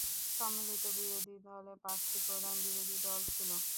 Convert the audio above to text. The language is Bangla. সম্মিলিত বিরোধী দলে পাঁচটি প্রধান বিরোধী দল ছিল।